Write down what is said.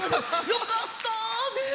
よかった！